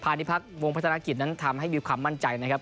นิพักษ์วงพัฒนากิจนั้นทำให้มีความมั่นใจนะครับ